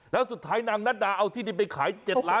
แล้วสุดท้ายนางนัดดาเอาที่ดินไปขาย๗ล้าน